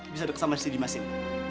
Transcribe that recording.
bisa deket sama sidi masin